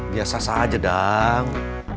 biasa saja dang